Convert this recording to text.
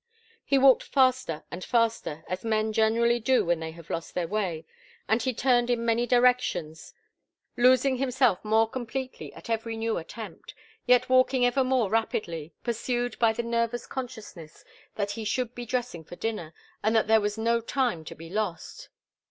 He walked faster and faster, as men generally do when they have lost their way, and he turned in many directions, losing himself more completely at every new attempt, yet walking ever more rapidly, pursued by the nervous consciousness that he should be dressing for dinner and that there was no time to be lost.